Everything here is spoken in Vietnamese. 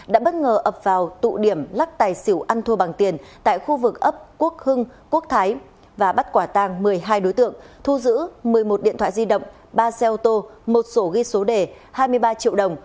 đã bất ngờ ập vào tụ điểm lắc tài xỉu ăn thua bằng tiền tại khu vực ấp quốc hưng quốc thái và bắt quả tàng một mươi hai đối tượng thu giữ một mươi một điện thoại di động ba xe ô tô một sổ ghi số đề hai mươi ba triệu đồng